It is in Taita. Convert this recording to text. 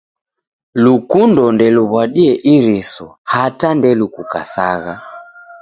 Llukundo ndeluw'adie iriso hata ndelukukasagha.